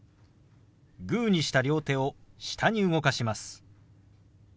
グーにした両手を下に動かします。